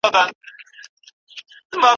هغه په تشه کوټه کې د تېرو کلونو حساب کاوه.